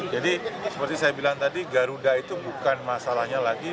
seperti saya bilang tadi garuda itu bukan masalahnya lagi